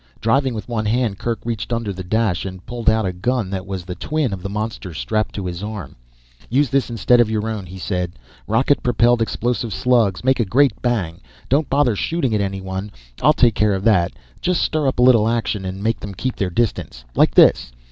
Driving with one hand, Kerk reached under the dash and pulled out a gun that was the twin of the monster strapped to his arm. "Use this instead of your own," he said. "Rocket propelled explosive slugs. Make a great bang. Don't bother shooting at anyone I'll take care of that. Just stir up a little action and make them keep their distance. Like this."